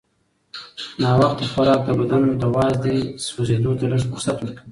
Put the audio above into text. ناوخته خوراک د بدن د وازدې سوځېدو ته لږ فرصت ورکوي.